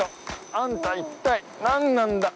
あんた、一体なんなんだ！